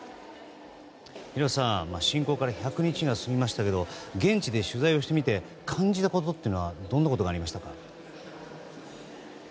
廣瀬さん、侵攻から１００日が過ぎましたけど現地で取材してみて感じたことってどんなことがありましたか。